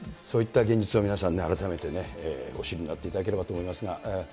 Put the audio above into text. そういった現実を皆さん、改めてお知りになっていただければと思いますが。